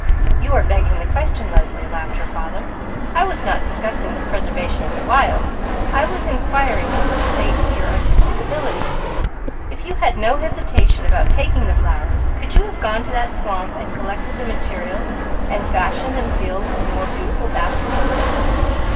"You are begging the question, Leslie," laughed her father. "I was not discussing the preservation of the wild, I was inquiring into the state of your artistic ability. If you had no hesitation about taking the flowers, could you have gone to that swamp, collected the material and fashioned and filled a more beautiful basket that this?"